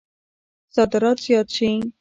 صادرات زیات شي.